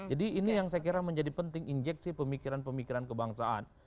jadi ini yang saya kira menjadi penting injeksi pemikiran pemikiran kebangsaan